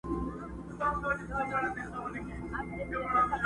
ویلې یې لاحول ده پخوا په کرنتین کي!